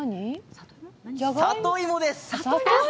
里芋です。